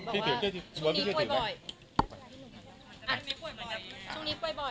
การเห็นบอกว่าช่วงนี้ป่วยบ่อย